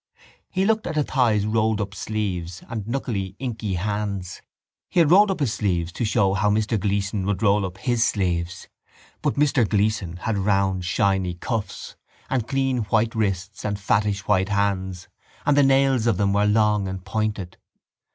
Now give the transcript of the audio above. He looked at Athy's rolled up sleeves and knuckly inky hands. He had rolled up his sleeves to show how Mr Gleeson would roll up his sleeves. But Mr Gleeson had round shiny cuffs and clean white wrists and fattish white hands and the nails of them were long and pointed.